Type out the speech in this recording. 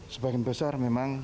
sebagian besar memang